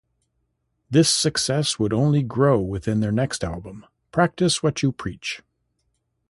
This success would only grow with their next album "Practice What You Preach".